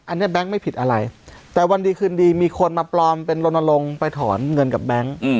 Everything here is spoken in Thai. อันนี้แบงค์ไม่ผิดอะไรแต่วันดีคืนดีมีคนมาปลอมเป็นลนลงไปถอนเงินกับแบงค์